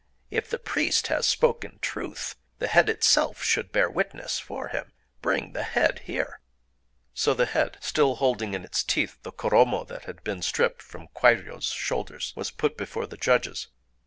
If the priest has spoken truth, the head itself should bear witness for him... Bring the head here!" So the head, still holding in its teeth the koromo that had been stripped from Kwairyō's shoulders, was put before the judges.